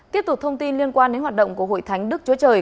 tiếp tục thông tin liên quan đến hoạt động của hội thánh đức chúa trời